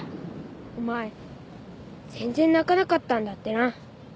お前全然泣かなかったんだってな。